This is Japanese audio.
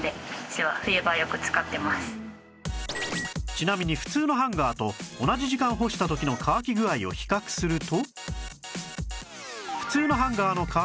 ちなみに普通のハンガーと同じ時間干した時の乾き具合を比較すると